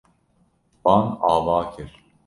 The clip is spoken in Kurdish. Wan ava kir.